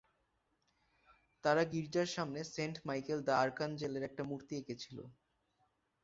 তারা গির্জার সামনে সেন্ট মাইকেল দ্য আর্কাঞ্জেলের একটা মূর্তি এঁকেছিল।